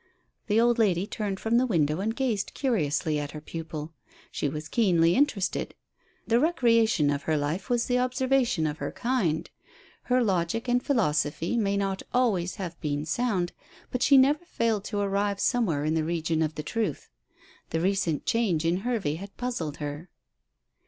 The old lady turned from the window and gazed curiously at her pupil. She was keenly interested. The recreation of her life was the observation of her kind. Her logic and philosophy may not always have been sound, but she never failed to arrive somewhere in the region of the truth. The recent change in Hervey had puzzled her.